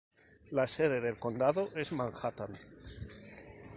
La sede del condado es Manhattan.